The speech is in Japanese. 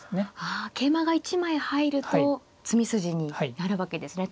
あ桂馬が１枚入ると詰み筋になるわけですね。